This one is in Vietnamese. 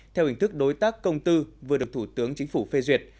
theo hình thức đối tác công tư vừa được thủ tướng chính phủ phê duyệt